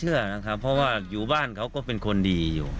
หรือยังไงพ่อตามที่ตำรวจเขาสอบส่วนนะ